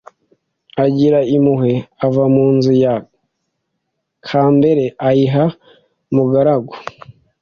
agira impuhwe; ava mu nzu ya kambere ayiha Mugarura,